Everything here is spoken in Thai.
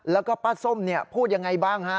แล้วก็ป้าส้มพูดยังไงบ้างฮะ